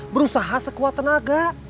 berusaha sekuat tenaga